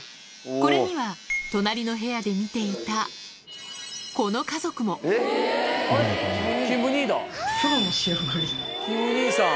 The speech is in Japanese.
これには隣の部屋で見ていたキム兄さん。